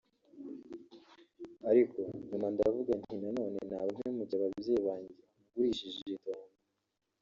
ariko nyuma ndavuga nti na none naba mpemukiye ababyeyi banjye ngurishije itongo